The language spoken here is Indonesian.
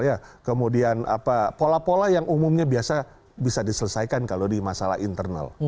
ya kemudian pola pola yang umumnya biasa bisa diselesaikan kalau di masalah internal